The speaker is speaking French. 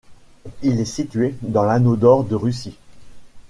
Il est situé dans l'Anneau d'or de Russie.